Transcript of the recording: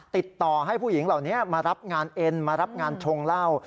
ติดต่อให้ผู้หญิงเหล่านี้มารับงานเอ็นมารับงานชงเหล้า